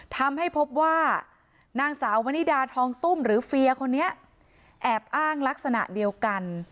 ทำให้พบว่านางสาววนิดาทองตุ้มหรือเฟียคนนี้แอบอ้างลักษณะเดียวกัน